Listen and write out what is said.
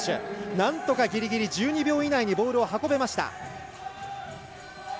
なんとかギリギリ１２秒以内にボールを運べました。